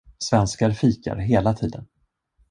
Svenskar fikar hela tiden.